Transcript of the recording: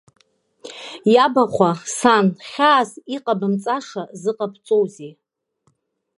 Иабахәа, сан, хьаас иҟабымҵаша зыҟабҵозеи!